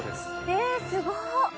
えすごっ！